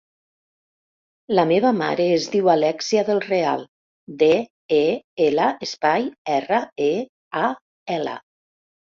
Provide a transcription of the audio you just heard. La meva mare es diu Alèxia Del Real: de, e, ela, espai, erra, e, a, ela.